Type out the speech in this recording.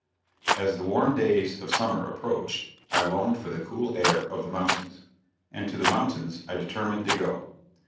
As the warm days of summer approached I longed for the cool air of the mountains; and to the mountains I determined to go.